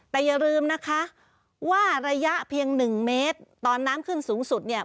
แต่อย่าลืมนะคะว่าระยะเพียงหนึ่งเมตรตอนน้ำขึ้นสูงสุดเนี่ย